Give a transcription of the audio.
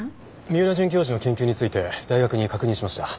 三浦准教授の研究について大学に確認しました。